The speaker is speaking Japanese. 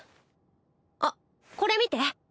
あっこれ見て。